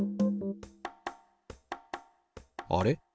あれ？